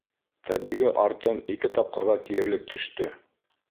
Тәбиғи артым ике тапҡырға тиерлек төштө.